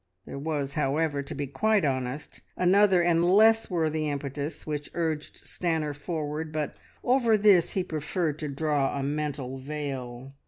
... There was, however, to be quite honest, another and less worthy impetus which urged Stanor forward, but over this he preferred to draw a mental veil.